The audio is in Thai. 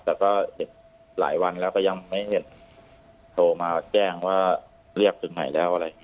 แต่ก็เห็นหลายวันแล้วก็ยังไม่เห็นโทรมาแจ้งว่าเรียกถึงไหนแล้วอะไร